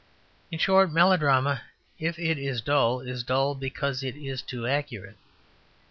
In short, melodrama, if it is dull, is dull because it is too accurate.